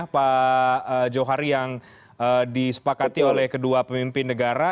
pak johari yang disepakati oleh kedua pemimpin negara